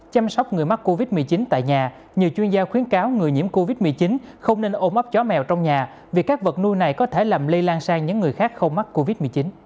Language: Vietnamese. chăm sóc người mắc covid một mươi chín tại nhà nhiều chuyên gia khuyến cáo người nhiễm covid một mươi chín không nên ô móc chó mèo trong nhà vì các vật nuôi này có thể làm lây lan sang những người khác không mắc covid một mươi chín